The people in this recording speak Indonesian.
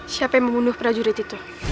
siapa yang membunuh prajurit itu